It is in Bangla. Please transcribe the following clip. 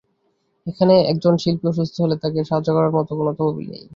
এখানে একজন শিল্পী অসুস্থ হলে তাঁকে সাহায্য করার মতো কোনো তহবিল নেই।